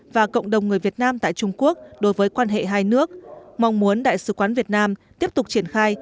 và cộng đồng người việt nam tại trung quốc đối với quan hệ hai nước mong muốn đại sứ quán việt nam tiếp tục triển khai